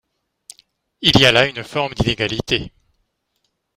Il y a là une forme d’inégalité.